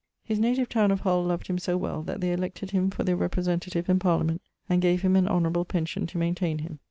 His native towne of Hull loved him so well that they elected him for their representative in Parliament, and gave him an honourable pension to maintaine him.